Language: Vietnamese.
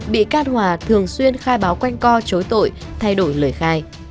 bị can hòa thường xuyên khai báo quanh co chối tội thay đổi lời khai